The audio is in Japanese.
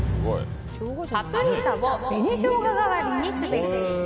パプリカを紅ショウガ代わりにすべし。